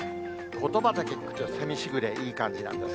ことばだけ聞くと、せみ時雨、いい感じなんです。